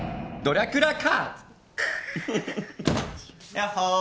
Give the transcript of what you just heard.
・・ヤッホー。